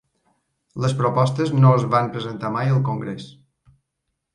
Les propostes no es van presentar mai al Congrés.